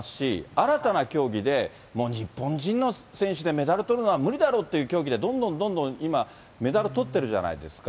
新たな競技で、日本人の選手でメダルとるのは無理だろうという競技で、どんどんどんどん今、メダルとってるじゃないですか。